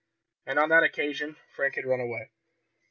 And on that occasion Frank had run away.